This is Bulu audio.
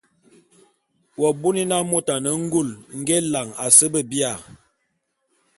W'abuni na môt a ne ngul nge élan à se be bia?